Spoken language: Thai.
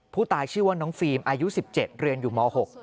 ผู้ตายชื่อว่าน้องฟิล์มอายุ๑๗เรียนอยู่ม๖